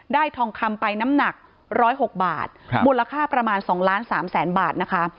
ได้ทองคำไปน้ำหนักร้อยหกบาทบูรค่าประมาณสองล้านสามแสนบาทนะคะ